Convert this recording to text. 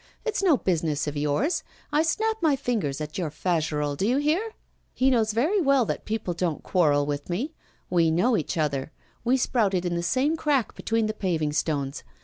'It's no business of yours. I snap my fingers at your Fagerolles, do you hear? He knows very well that people don't quarrel with me. We know each other; we sprouted in the same crack between the paving stones.